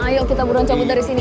ayo kita buruan cabut dari sini